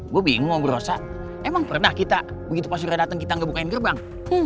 gue bingung berasa emang pernah kita begitu pas suraya datang kita gak bukain gerbang